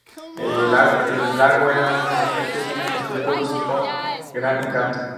Lago era un ""negociante sin escrúpulos y con gran encanto"".